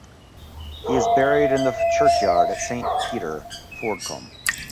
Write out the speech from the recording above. He is buried in the churchyard at Saint Peter, Fordcombe.